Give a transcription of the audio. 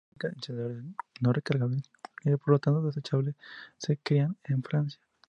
Los primeros encendedores no recargables, y por lo tanto desechables, se crean en Francia.